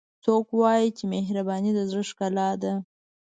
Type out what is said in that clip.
څوک وایي چې مهربانۍ د زړه ښکلا ده